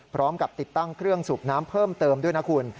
พร้อมกับติดตั้งเครื่องสูบน้ำเพิ่มเติมด้วยนะคุณ